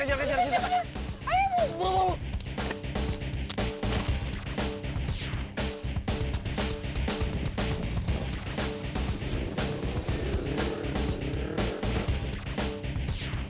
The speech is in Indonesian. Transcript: jalan jalan jalan